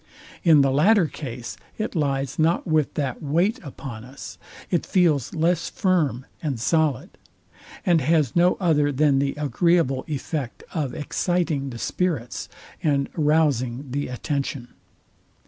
In the latter case, it lies not with that weight upon us: It feels less firm and solid: And has no other than the agreeable effect of exciting the spirits, and rouzing the attention.